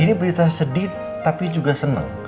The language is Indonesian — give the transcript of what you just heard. ini berita sedih tapi juga senang